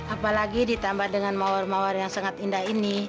apalagi ditambah dengan mawar mawar yang sangat indah ini